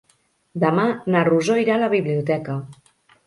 Demà na Rosó irà a la biblioteca.